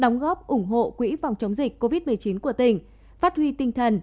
đóng góp ủng hộ quỹ phòng chống dịch covid một mươi chín của tỉnh phát huy tinh thần